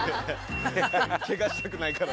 けがしたくないから。